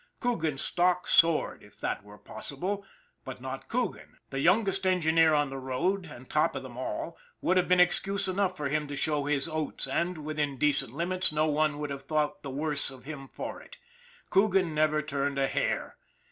Coogan's stock soared if that were possible; but not Coogan. The youngest engineer on the road and top of them all, would have been excuse enough for him to show his oats and, within decent limits, no one would have thought the worse of him for it Coo gan never turned a hair.